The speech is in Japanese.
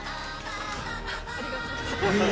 ありがとうございます。